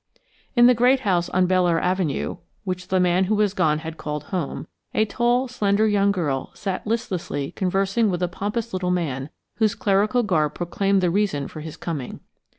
In the great house on Belleair Avenue, which the man who was gone had called home, a tall, slender young girl sat listlessly conversing with a pompous little man, whose clerical garb proclaimed the reason for his coming.